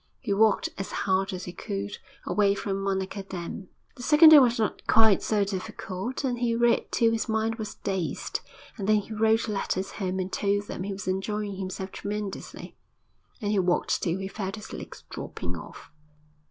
He walked as hard as he could away from Monnickendam. The second day was not quite so difficult, and he read till his mind was dazed, and then he wrote letters home and told them he was enjoying himself tremendously, and he walked till he felt his legs dropping off.